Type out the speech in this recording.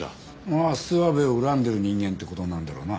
まあ諏訪部を恨んでる人間って事になるんだろうな。